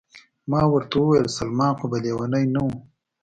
ما ورته وویل: سلمان خو به لیونی نه و؟